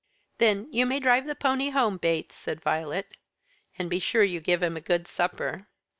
"Then, you may drive the pony home, Bates," said Violet; "and be sure you give him a good supper."